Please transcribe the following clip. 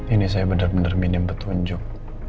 ini saya benar benar minim petunjuk